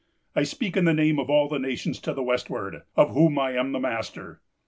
I speak in the name of all the nations to the westward, of whom I am the master.